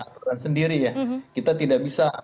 aturan sendiri ya kita tidak bisa